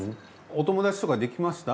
お友達とかできました？